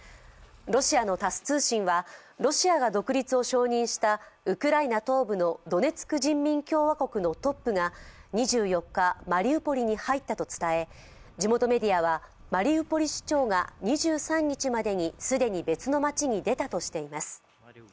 ロシアのタス通信はロシアが独立を承認したウクライナ東部のドネツク人民共和国のトップが２４日、マリウポリに入ったと伝え地元メディアはマリウポリ市長が２３日までに既に別の街に出たとしています。